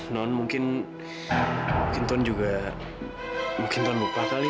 non mungkin mungkin ton juga mungkin ton buka kali